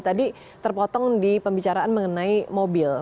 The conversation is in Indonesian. tadi terpotong di pembicaraan mengenai mobil